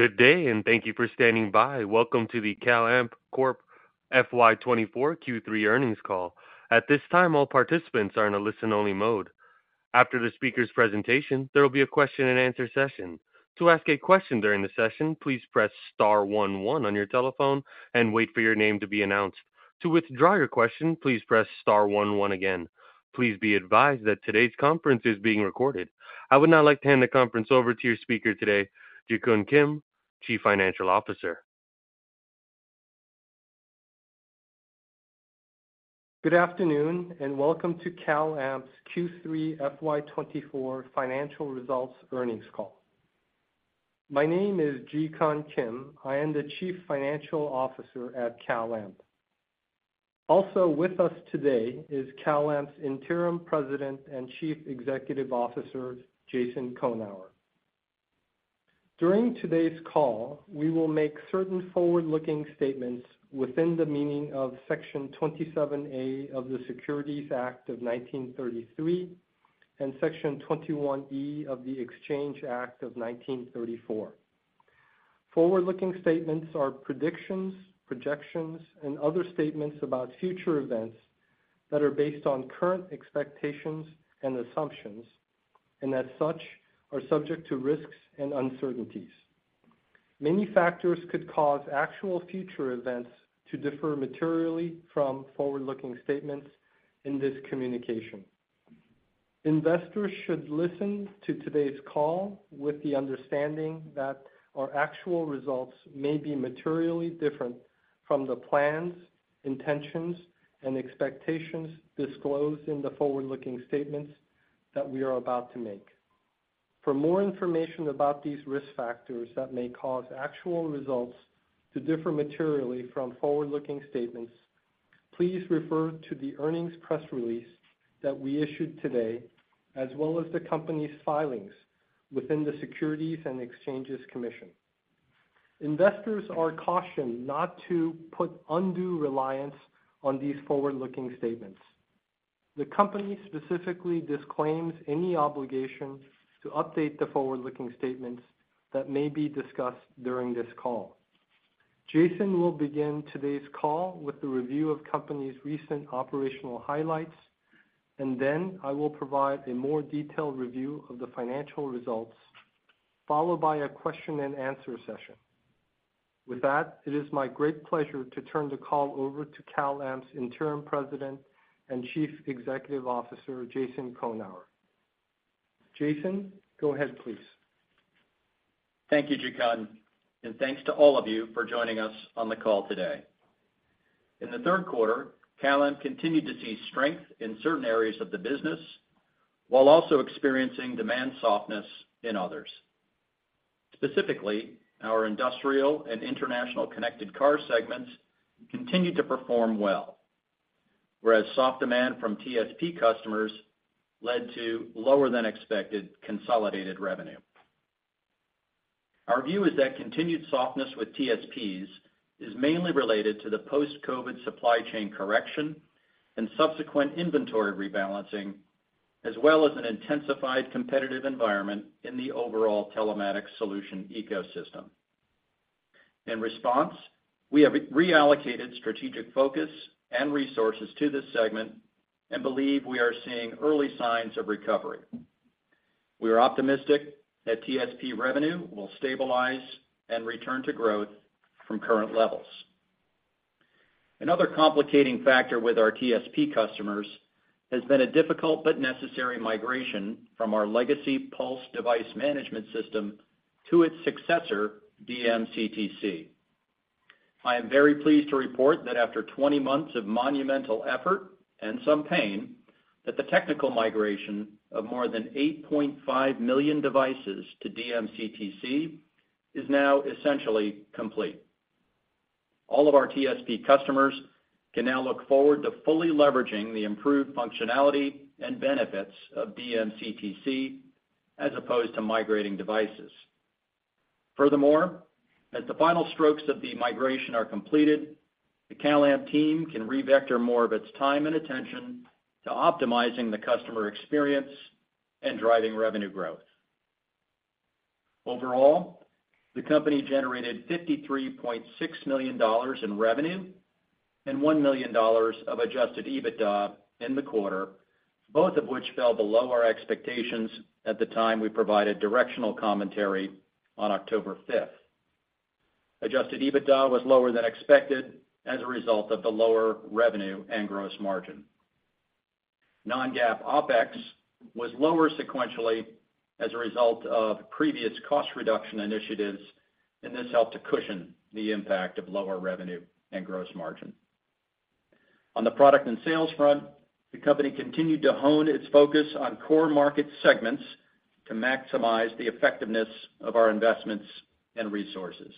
Good day, and thank you for standing by. Welcome to the CalAmp Corp FY 2024 Q3 earnings call. At this time, all participants are in a listen-only mode. After the speaker's presentation, there will be a question-and-answer session. To ask a question during the session, please press star one one on your telephone and wait for your name to be announced. To withdraw your question, please press star one one again. Please be advised that today's conference is being recorded. I would now like to hand the conference over to your speaker today, Jikun Kim, Chief Financial Officer. Good afternoon, and welcome to CalAmp's Q3 FY 2024 financial results earnings call. My name is Jikun Kim. I am the Chief Financial Officer at CalAmp. Also with us today is CalAmp's Interim President and Chief Executive Officer, Jason Cohenour. During today's call, we will make certain forward-looking statements within the meaning of Section 27A of the Securities Act of 1933 and Section 21E of the Exchange Act of 1934. Forward-looking statements are predictions, projections, and other statements about future events that are based on current expectations and assumptions, and as such, are subject to risks and uncertainties. Many factors could cause actual future events to differ materially from forward-looking statements in this communication. Investors should listen to today's call with the understanding that our actual results may be materially different from the plans, intentions, and expectations disclosed in the forward-looking statements that we are about to make. For more information about these risk factors that may cause actual results to differ materially from forward-looking statements, please refer to the earnings press release that we issued today, as well as the company's filings with the Securities and Exchange Commission. Investors are cautioned not to put undue reliance on these forward-looking statements. The company specifically disclaims any obligation to update the forward-looking statements that may be discussed during this call. Jason will begin today's call with a review of the company's recent operational highlights, and then I will provide a more detailed review of the financial results, followed by a question-and-answer session. With that, it is my great pleasure to turn the call over to CalAmp's Interim President and Chief Executive Officer, Jason Cohenour. Jason, go ahead, please. Thank you, Jikun, and thanks to all of you for joining us on the call today. In the third quarter, CalAmp continued to see strength in certain areas of the business, while also experiencing demand softness in others. Specifically, our industrial and international connected car segments continued to perform well, whereas soft demand from TSP customers led to lower than expected consolidated revenue. Our view is that continued softness with TSPs is mainly related to the post-COVID supply chain correction and subsequent inventory rebalancing, as well as an intensified competitive environment in the overall telematics solution ecosystem. In response, we have reallocated strategic focus and resources to this segment and believe we are seeing early signs of recovery. We are optimistic that TSP revenue will stabilize and return to growth from current levels. Another complicating factor with our TSP customers has been a difficult but necessary migration from our legacy Pulse device management system to its successor, DMC/CTC. I am very pleased to report that after 20 months of monumental effort and some pain, that the technical migration of more than 8.5 million devices to DMC/CTC is now essentially complete. All of our TSP customers can now look forward to fully leveraging the improved functionality and benefits of DMC/CTC as opposed to migrating devices. Furthermore, as the final strokes of the migration are completed, the CalAmp team can revector more of its time and attention to optimizing the customer experience and driving revenue growth. Overall, the company generated $53.6 million in revenue and $1 million of Adjusted EBITDA in the quarter, both of which fell below our expectations at the time we provided directional commentary on October 5th. Adjusted EBITDA was lower than expected as a result of the lower revenue and gross margin. Non-GAAP OpEx was lower sequentially as a result of previous cost reduction initiatives, and this helped to cushion the impact of lower revenue and gross margin. On the product and sales front, the company continued to hone its focus on core market segments to maximize the effectiveness of our investments and resources.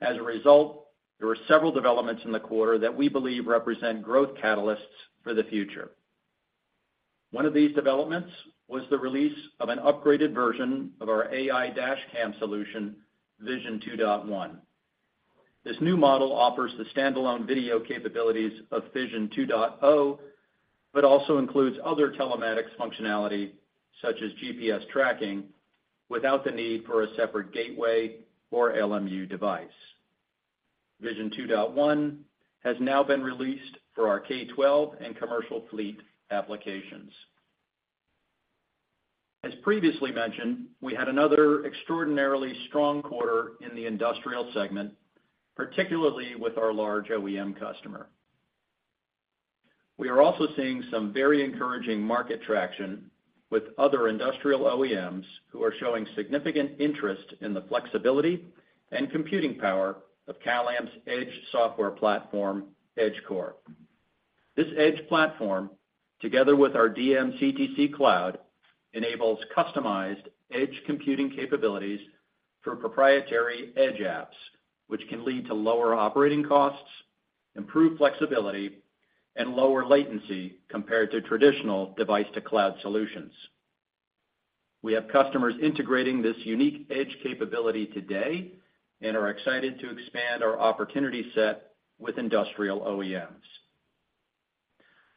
As a result, there were several developments in the quarter that we believe represent growth catalysts for the future. One of these developments was the release of an upgraded version of our AI dash cam solution, Vision 2.1.... This new model offers the standalone video capabilities of Vision 2.0, but also includes other telematics functionality, such as GPS tracking, without the need for a separate gateway or LMU device. Vision 2.1 has now been released for our K-12 and commercial fleet applications. As previously mentioned, we had another extraordinarily strong quarter in the industrial segment, particularly with our large OEM customer. We are also seeing some very encouraging market traction with other industrial OEMs who are showing significant interest in the flexibility and computing power of CalAmp's Edge software platform, Edge Core. This Edge platform, together with our DMCTC cloud, enables customized edge computing capabilities for proprietary edge apps, which can lead to lower operating costs, improved flexibility, and lower latency compared to traditional device-to-cloud solutions. We have customers integrating this unique edge capability today and are excited to expand our opportunity set with industrial OEMs.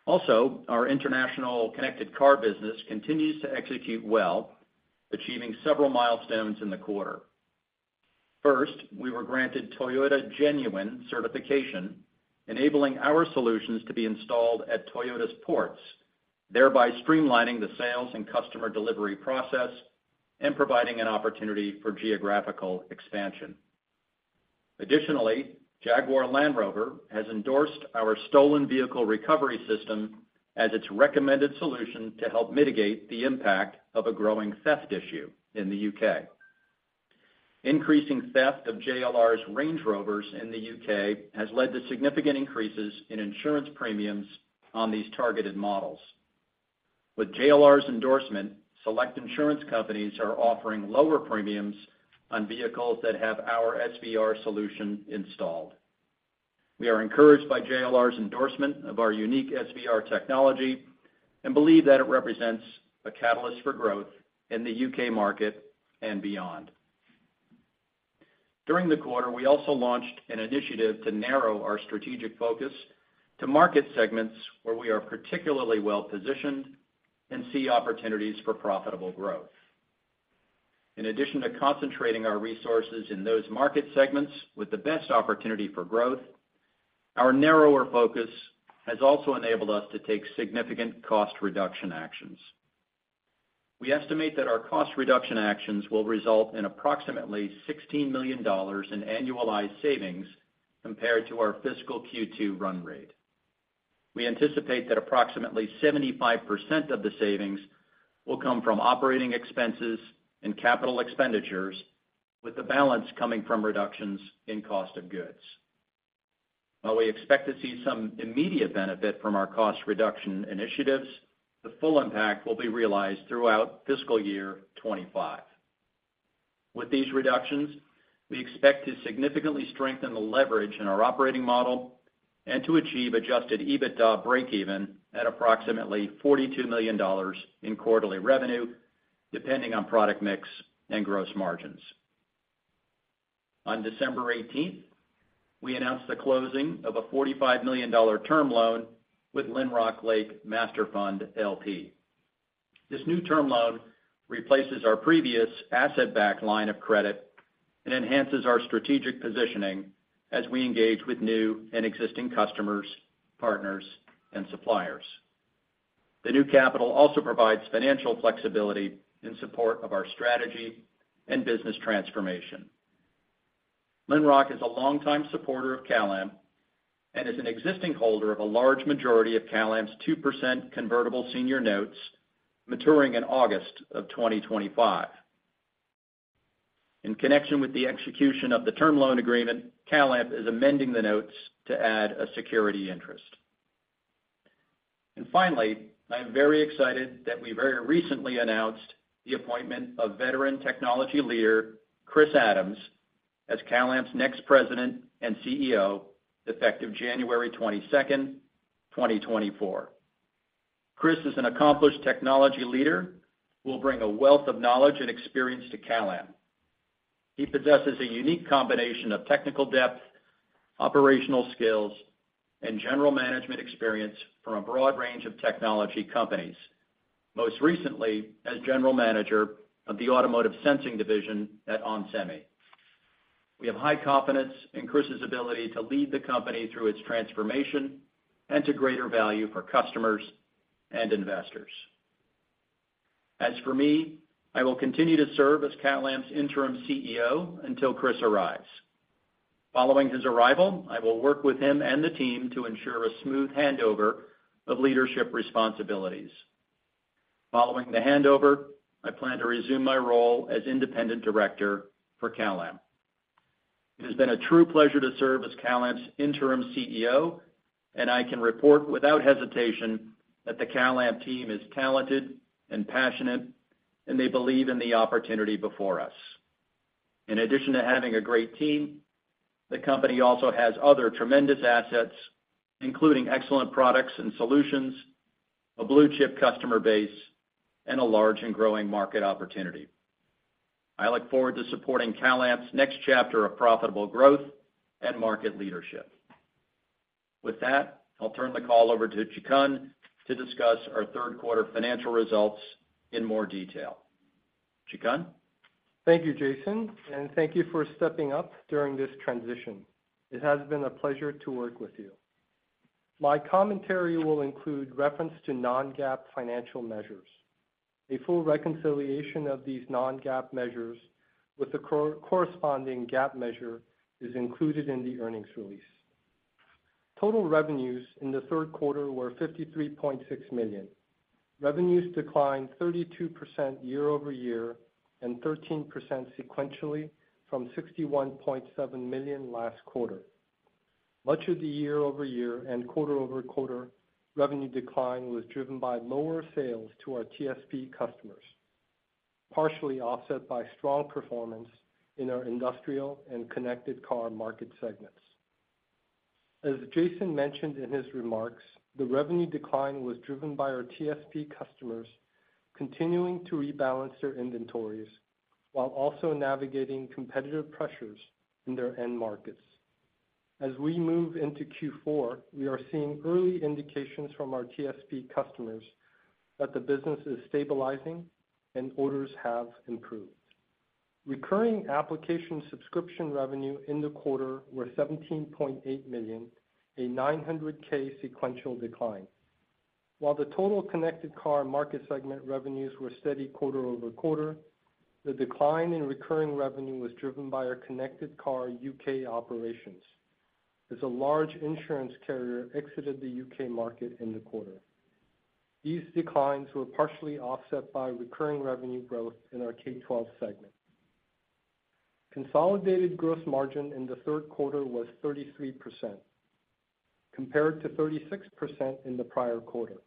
Also, our international connected car business continues to execute well, achieving several milestones in the quarter. First, we were granted Toyota Genuine certification, enabling our solutions to be installed at Toyota's ports, thereby streamlining the sales and customer delivery process and providing an opportunity for geographical expansion. Additionally, Jaguar Land Rover has endorsed our stolen vehicle recovery system as its recommended solution to help mitigate the impact of a growing theft issue in the U.K. Increasing theft of JLR's Range Rovers in the U.K. has led to significant increases in insurance premiums on these targeted models. With JLR's endorsement, select insurance companies are offering lower premiums on vehicles that have our SVR solution installed. We are encouraged by JLR's endorsement of our unique SVR technology and believe that it represents a catalyst for growth in the U.K. market and beyond. During the quarter, we also launched an initiative to narrow our strategic focus to market segments where we are particularly well-positioned and see opportunities for profitable growth. In addition to concentrating our resources in those market segments with the best opportunity for growth, our narrower focus has also enabled us to take significant cost reduction actions. We estimate that our cost reduction actions will result in approximately $16 million in annualized savings compared to our fiscal Q2 run rate. We anticipate that approximately 75% of the savings will come from operating expenses and capital expenditures, with the balance coming from reductions in cost of goods. While we expect to see some immediate benefit from our cost reduction initiatives, the full impact will be realized throughout fiscal year 2025. With these reductions, we expect to significantly strengthen the leverage in our operating model and to achieve Adjusted EBITDA breakeven at approximately $42 million in quarterly revenue, depending on product mix and gross margins. On December eighteenth, we announced the closing of a $45 million term loan with Lynrock Lake Master Fund LP. This new term loan replaces our previous asset-backed line of credit and enhances our strategic positioning as we engage with new and existing customers, partners, and suppliers. The new capital also provides financial flexibility in support of our strategy and business transformation. Lynrock is a longtime supporter of CalAmp and is an existing holder of a large majority of CalAmp's 2% Convertible Senior Notes, maturing in August 2025. In connection with the execution of the term loan agreement, CalAmp is amending the notes to add a security interest. Finally, I'm very excited that we very recently announced the appointment of veteran technology leader, Chris Adams, as CalAmp's next President and CEO, effective January 22nd, 2024. Chris is an accomplished technology leader who will bring a wealth of knowledge and experience to CalAmp. He possesses a unique combination of technical depth, operational skills, and general management experience from a broad range of technology companies, most recently as General Manager of the Automotive Sensing Division at onsemi. We have high confidence in Chris's ability to lead the company through its transformation and to greater value for customers and investors. As for me, I will continue to serve as CalAmp's Interim CEO until Chris arrives. Following his arrival, I will work with him and the team to ensure a smooth handover of leadership responsibilities. Following the handover, I plan to resume my role as independent director for CalAmp. It has been a true pleasure to serve as CalAmp's Interim CEO, and I can report without hesitation that the CalAmp team is talented and passionate, and they believe in the opportunity before us. In addition to having a great team, the company also has other tremendous assets, including excellent products and solutions... a blue-chip customer base, and a large and growing market opportunity. I look forward to supporting CalAmp's next chapter of profitable growth and market leadership. With that, I'll turn the call over to Jikun to discuss our third quarter financial results in more detail. Jikun? Thank you, Jason, and thank you for stepping up during this transition. It has been a pleasure to work with you. My commentary will include reference to non-GAAP financial measures. A full reconciliation of these non-GAAP measures with the corresponding GAAP measure is included in the earnings release. Total revenues in the third quarter were $53.6 million. Revenues declined 32% year-over-year and 13% sequentially from $61.7 million last quarter. Much of the year-over-year and quarter-over-quarter revenue decline was driven by lower sales to our TSP customers, partially offset by strong performance in our industrial and connected car market segments. As Jason mentioned in his remarks, the revenue decline was driven by our TSP customers continuing to rebalance their inventories while also navigating competitive pressures in their end markets. As we move into Q4, we are seeing early indications from our TSP customers that the business is stabilizing and orders have improved. Recurring application subscription revenue in the quarter were $17.8 million, a $900K sequential decline. While the total connected car market segment revenues were steady quarter-over-quarter, the decline in recurring revenue was driven by our connected car U.K. operations, as a large insurance carrier exited the U.K. market in the quarter. These declines were partially offset by recurring revenue growth in our K-12 segment. Consolidated gross margin in the third quarter was 33%, compared to 36% in the prior quarter.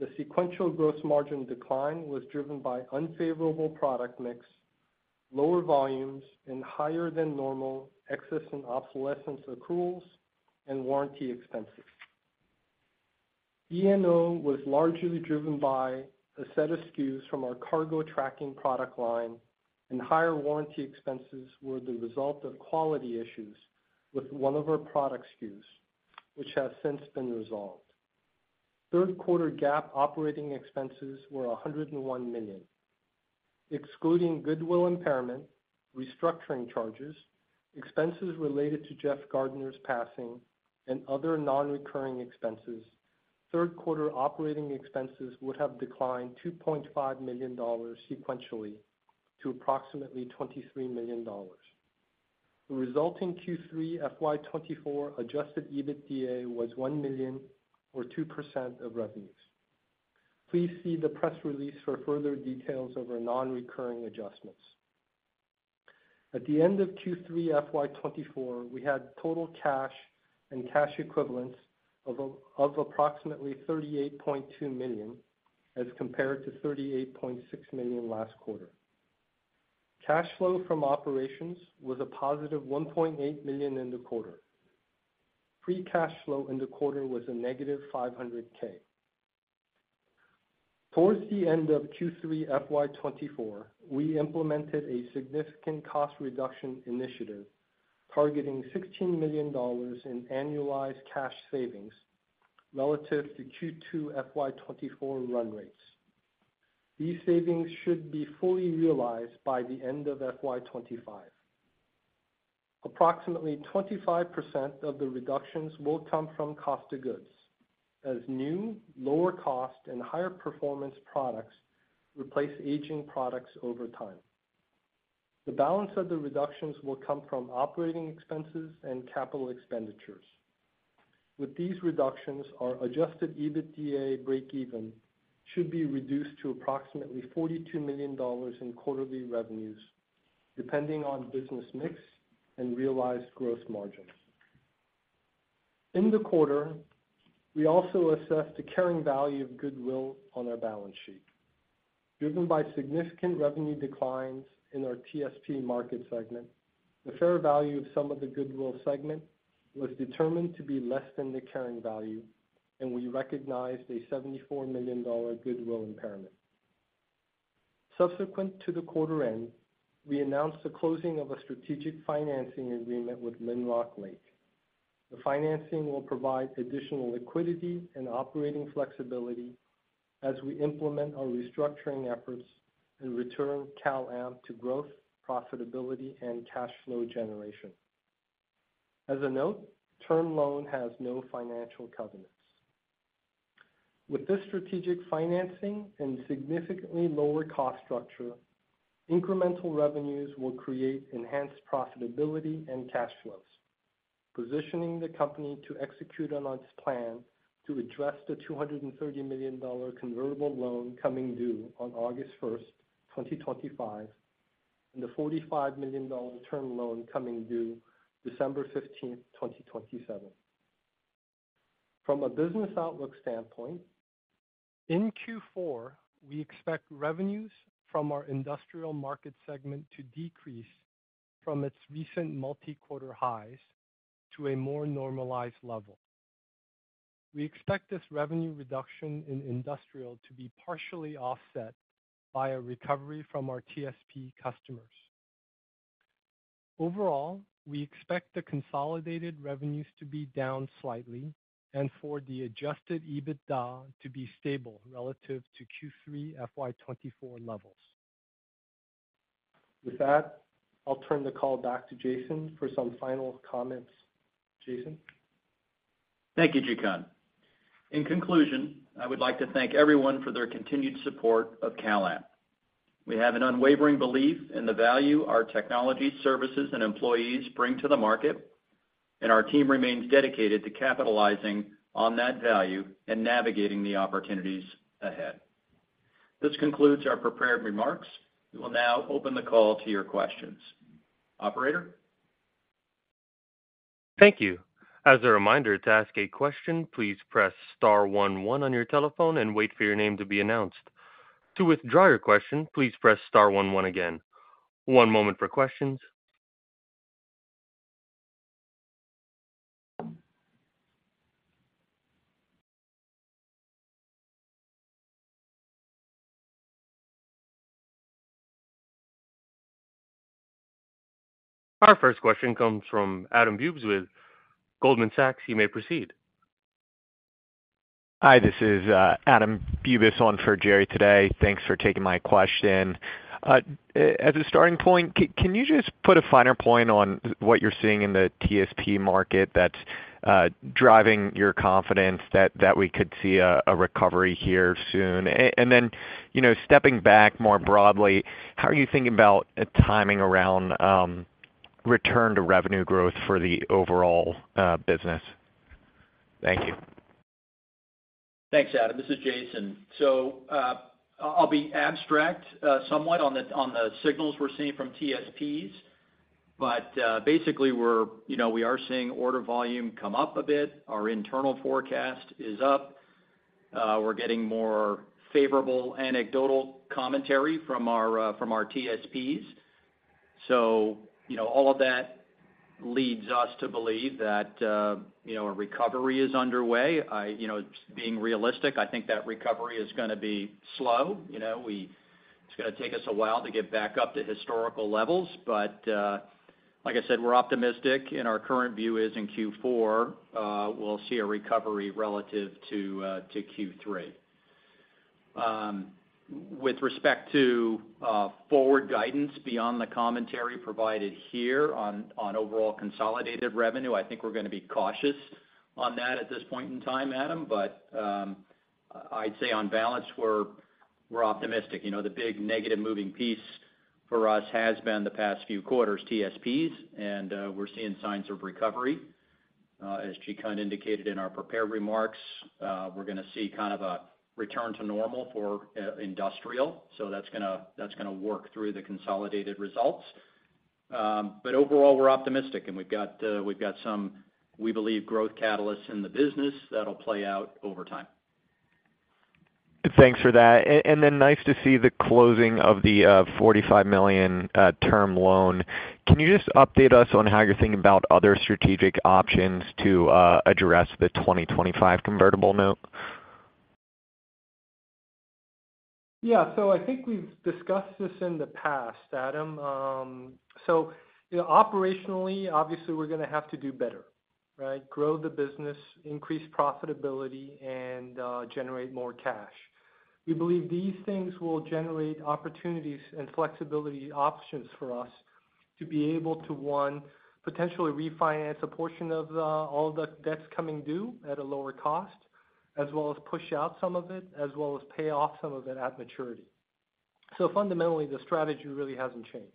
The sequential gross margin decline was driven by unfavorable product mix, lower volumes, and higher than normal excess and obsolescence accruals and warranty expenses. E&O was largely driven by a set of SKUs from our cargo tracking product line, and higher warranty expenses were the result of quality issues with one of our product SKUs, which has since been resolved. Third quarter GAAP operating expenses were $101 million. Excluding goodwill impairment, restructuring charges, expenses related to Jeff Gardner's passing, and other non-recurring expenses, third quarter operating expenses would have declined $2.5 million sequentially to approximately $23 million. The resulting Q3 FY 2024 Adjusted EBITDA was $1 million, or 2% of revenues. Please see the press release for further details of our non-recurring adjustments. At the end of Q3 FY 2024, we had total cash and cash equivalents of approximately $38.2 million, as compared to $38.6 million last quarter. Cash flow from operations was a positive $1.8 million in the quarter. Free cash flow in the quarter was a negative $500,000. Towards the end of Q3 FY 2024, we implemented a significant cost reduction initiative, targeting $16 million in annualized cash savings relative to Q2 FY 2024 run rates. These savings should be fully realized by the end of FY 2025. Approximately 25% of the reductions will come from cost of goods, as new, lower cost, and higher performance products replace aging products over time. The balance of the reductions will come from operating expenses and capital expenditures. With these reductions, our Adjusted EBITDA breakeven should be reduced to approximately $42 million in quarterly revenues, depending on business mix and realized gross margins. In the quarter, we also assessed the carrying value of goodwill on our balance sheet. Driven by significant revenue declines in our TSP market segment, the fair value of some of the goodwill segment was determined to be less than the carrying value, and we recognized a $74 million goodwill impairment. Subsequent to the quarter end, we announced the closing of a strategic financing agreement with Lynrock Lake. The financing will provide additional liquidity and operating flexibility as we implement our restructuring efforts and return CalAmp to growth, profitability, and cash flow generation. As a note, term loan has no financial covenants. With this strategic financing and significantly lower cost structure, incremental revenues will create enhanced profitability and cash flows, positioning the company to execute on its plan to address the $230 million convertible loan coming due on August 1, 2025, and the $45 million term loan coming due December 15th, 2027. From a business outlook standpoint, in Q4, we expect revenues from our industrial market segment to decrease from its recent multi-quarter highs... to a more normalized level. We expect this revenue reduction in industrial to be partially offset by a recovery from our TSP customers. Overall, we expect the consolidated revenues to be down slightly and for the Adjusted EBITDA to be stable relative to Q3 FY 2024 levels. With that, I'll turn the call back to Jason for some final comments. Jason? Thank you, Jikun. In conclusion, I would like to thank everyone for their continued support of CalAmp. We have an unwavering belief in the value our technology, services, and employees bring to the market, and our team remains dedicated to capitalizing on that value and navigating the opportunities ahead. This concludes our prepared remarks. We will now open the call to your questions. Operator? Thank you. As a reminder, to ask a question, please press star one one on your telephone and wait for your name to be announced. To withdraw your question, please press star one one again. One moment for questions. Our first question comes from Adam Bubes with Goldman Sachs. You may proceed. Hi, this is Adam Bubes on for Jerry today. Thanks for taking my question. As a starting point, can you just put a finer point on what you're seeing in the TSP market that's driving your confidence that we could see a recovery here soon? And then, you know, stepping back more broadly, how are you thinking about timing around return to revenue growth for the overall business? Thank you. Thanks, Adam. This is Jason. So, I'll be abstract, somewhat on the signals we're seeing from TSPs, but basically, we're, you know, we are seeing order volume come up a bit. Our internal forecast is up. We're getting more favorable anecdotal commentary from our TSPs. So, you know, all of that leads us to believe that, you know, a recovery is underway. You know, just being realistic, I think that recovery is gonna be slow. You know, it's gonna take us a while to get back up to historical levels, but like I said, we're optimistic, and our current view is in Q4, we'll see a recovery relative to Q3. With respect to forward guidance beyond the commentary provided here on overall consolidated revenue, I think we're gonna be cautious on that at this point in time, Adam. But, I'd say on balance, we're optimistic. You know, the big negative moving piece for us has been the past few quarters, TSPs, and we're seeing signs of recovery. As Jikun indicated in our prepared remarks, we're gonna see kind of a return to normal for industrial, so that's gonna work through the consolidated results. But overall, we're optimistic, and we've got some, we believe, growth catalysts in the business that'll play out over time. Thanks for that. And then nice to see the closing of the $45 million term loan. Can you just update us on how you're thinking about other strategic options to address the 2025 convertible note? Yeah. So I think we've discussed this in the past, Adam. So, you know, operationally, obviously, we're gonna have to do better, right? Grow the business, increase profitability, and, generate more cash. We believe these things will generate opportunities and flexibility options for us to be able to, one, potentially refinance a portion of the, all the debts coming due at a lower cost, as well as push out some of it, as well as pay off some of it at maturity. So fundamentally, the strategy really hasn't changed.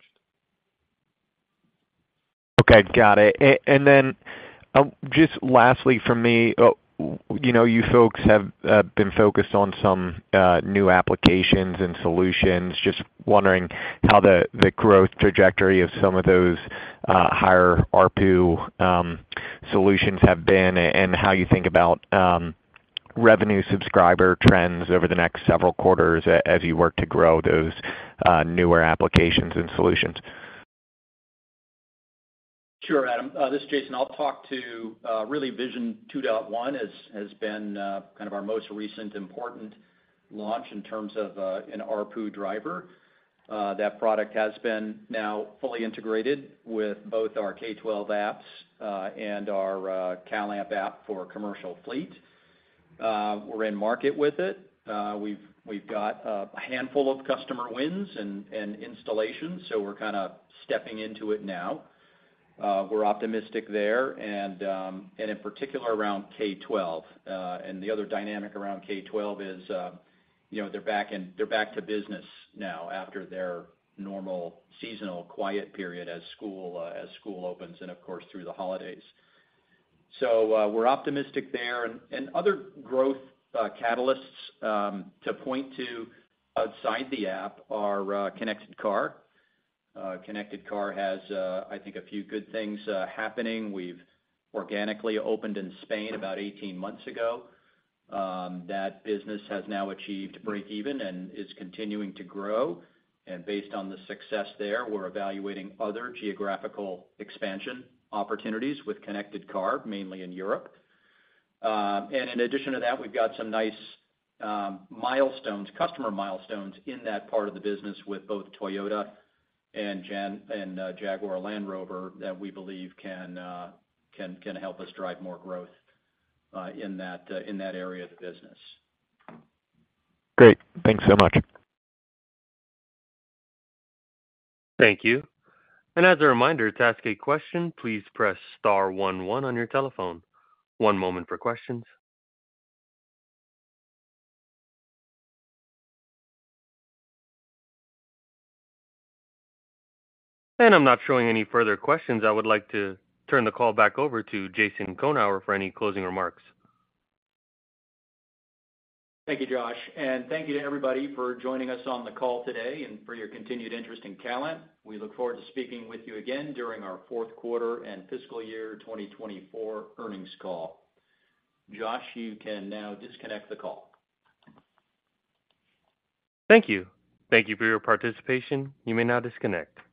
Okay, got it. And then, just lastly from me, you know, you folks have been focused on some new applications and solutions. Just wondering how the growth trajectory of some of those higher ARPU solutions have been and how you think about revenue subscriber trends over the next several quarters as you work to grow those newer applications and solutions. Sure, Adam. This is Jason. I'll talk to really, Vision 2.1 has has been kind of our most recent important launch in terms of an ARPU driver. That product has been now fully integrated with both our K-12 apps and our CalAmp app for commercial fleet. We're in market with it. We've got a handful of customer wins and installations, so we're kind of stepping into it now. We're optimistic there, and in particular, around K-12. And the other dynamic around K-12 is, you know, they're back to business now after their normal seasonal quiet period as school opens and, of course, through the holidays. So, we're optimistic there. Other growth catalysts to point to outside the app are Connected Car. Connected Car has, I think, a few good things happening. We've organically opened in Spain about 18 months ago. That business has now achieved breakeven and is continuing to grow. Based on the success there, we're evaluating other geographical expansion opportunities with Connected Car, mainly in Europe. In addition to that, we've got some nice milestones, customer milestones in that part of the business with both Toyota and Jaguar Land Rover, that we believe can help us drive more growth in that area of the business. Great. Thanks so much. Thank you. And as a reminder, to ask a question, please press star one one on your telephone. One moment for questions. And I'm not showing any further questions. I would like to turn the call back over to Jason Cohenour for any closing remarks. Thank you, Josh, and thank you to everybody for joining us on the call today and for your continued interest in CalAmp. We look forward to speaking with you again during our fourth quarter and fiscal year 2024 earnings call. Josh, you can now disconnect the call. Thank you. Thank you for your participation. You may now disconnect.